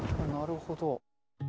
なるほど。